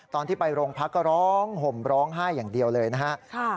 ตอนที่ไปโรงพักก็ร้องห่มร้องไห้อย่างเดียวเลยนะครับ